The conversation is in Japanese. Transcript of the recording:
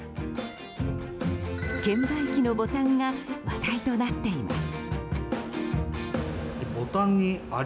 券売機のボタンが話題となっています。